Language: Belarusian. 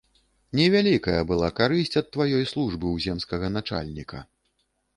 Невялікая была карысць ад тваёй службы ў земскага начальніка.